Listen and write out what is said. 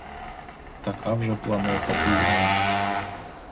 Така вже планета дурневі.